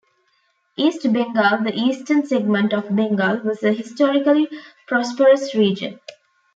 East Bengal-the eastern segment of Bengal-was a historically prosperous region.